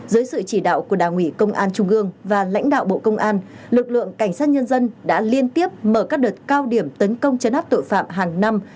dưới sự chỉ đạo của đảng ủy công an trung ương và lãnh đạo bộ công an lực lượng cảnh sát nhân dân đã liên tiếp mở các đợt cao điểm tấn công chấn áp tội phạm hàng năm